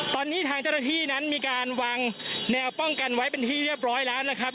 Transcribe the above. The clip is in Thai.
ตอนนี้ทางเจ้าหน้าที่นั้นมีการวางแนวป้องกันไว้เป็นที่เรียบร้อยแล้วนะครับ